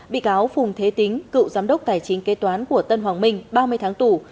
bị cáo phùng thế tính cựu giám đốc tài chính kế toán của tân hoàng minh ba mươi tháng tù